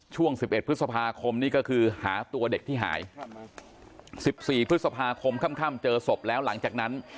ช่วง๑๑พฤษภาคมนี่ก็คือหาตัวเด็กที่หาย๑๔พฤษภาคมค่ำเจอศพแล้วหลังจากนั้น